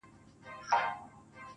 زه خپله مينه ټولومه له جهانه څخه,